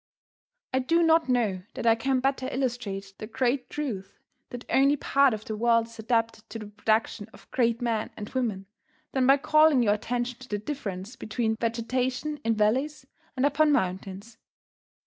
I do not know that I can better illustrate the great truth that only part of the world is adapted to the production of great men and women than by calling your attention to the difference between vegetation in valleys and upon mountains.